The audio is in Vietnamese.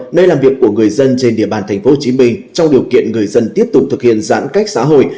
nơi làm việc của người dân trên địa bàn tp hcm trong điều kiện người dân tiếp tục thực hiện giãn cách xã hội